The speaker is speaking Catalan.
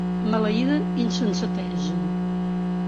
Maleïda insensatesa!